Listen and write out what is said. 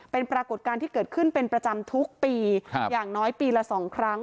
เป็นปรากฏการณ์ที่เกิดขึ้นเป็นประจำทุกปีอย่างน้อยปีละสองครั้ง